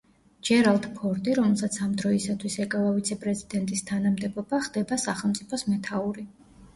ჯერალდ ფორდი, რომელსაც ამ დროისათვის ეკავა ვიცე-პრეზიდენტის თანამდებობა, ხდება სახელმწიფოს მეთაური.